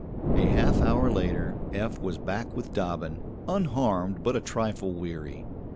A half hour later Eph was back with Dobbin, unharmed but a trifle weary.